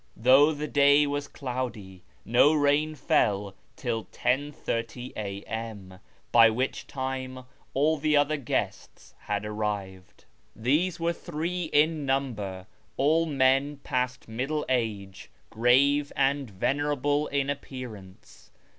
Though the day was cloudy, no rain fell till 10.30 A.M., by which time all the other guests had arrived. These were three in number, all men past middle age, grave and venerable in appearance.